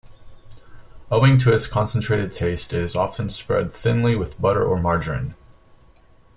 Owing to its concentrated taste it is often spread thinly with butter or margarine.